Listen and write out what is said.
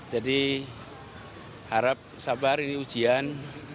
jadi harap sabar ini ujian